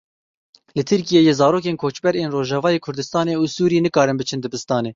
Li Tirkiyeyê zarokên koçber ên Rojavayê Kurdistanê û Sûrî nikarin biçin dibistanê.